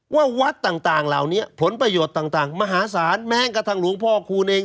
ว่าวัดต่างต่างเหล่านี้ผลประโยชน์ต่างต่างมหาศาลแม้งกับทางหลวงพ่อคูณเอง